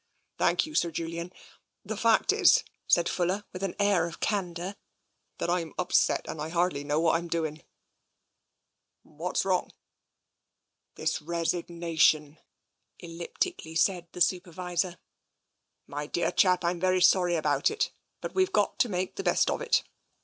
" Thank you, Sir Julian. The fact is," said Fuller, with an air of candour, " that I'm upset and I hardly know what I'm doing." "Whafs wrong?" " This resignation," elliptically said the Supervisor. " My dear chap, Fm very sorry about it, but we've got to make the best of it.